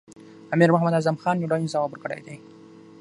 امیر محمد اعظم خان یو لنډ ځواب ورکړی دی.